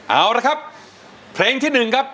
เอาละครับเครงที่หนึ่งครับ